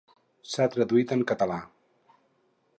S'ha traduït en català?